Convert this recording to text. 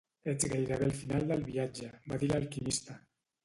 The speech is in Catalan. "Ets gairebé al final del viatge", va dir l'alquimista.